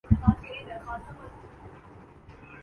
دماغی امراض کا ب